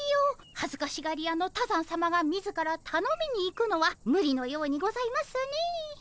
はずかしがり屋の多山さまが自らたのみに行くのはむりのようにございますね。